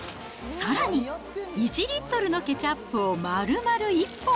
さらに、１リットルのケチャップをまるまる１本。